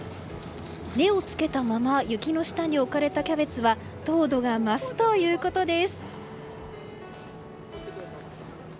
根を付けたまま雪の下に置かれたキャベツは糖度が増すということです。